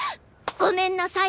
ごめんなさい！